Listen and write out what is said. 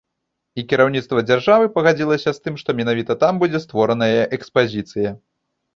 І кіраўніцтва дзяржавы пагадзілася з тым, што менавіта там будзе створаная экспазіцыя.